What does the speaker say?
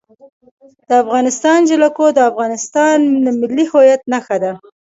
د افغانستان جلکو د افغانستان د ملي هویت نښه ده.